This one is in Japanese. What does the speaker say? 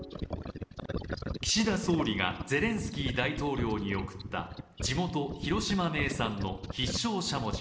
岸田総理がゼレンスキー大統領に贈った地元・広島名産の、必勝しゃもじ。